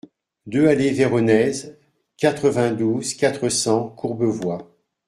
deux allée Véronèse, quatre-vingt-douze, quatre cents, Courbevoie